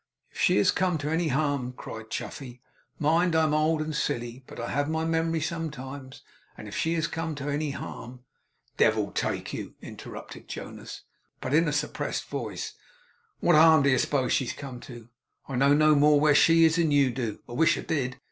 'If she has come to any harm,' cried Chuffey, 'mind! I'm old and silly; but I have my memory sometimes; and if she has come to any harm ' 'Devil take you,' interrupted Jonas, but in a suppressed voice still; 'what harm do you suppose she has come to? I know no more where she is than you do; I wish I did.